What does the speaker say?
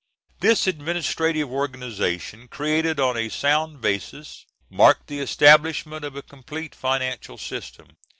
This administrative organization, created on a sound basis, marked the establishment of a complete financial system.